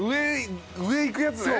上行くやつね。